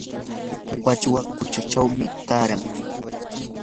wachwa quchachawmi taaran.